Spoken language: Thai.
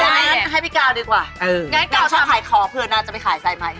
ถ้าอย่างนั้นให้พี่ก้าวดีกว่างั้นชอบขายของเพื่อนน่าจะไปขายไซม์ไหม